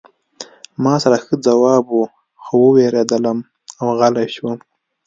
ما سره ښه ځواب و خو ووېرېدم او غلی شوم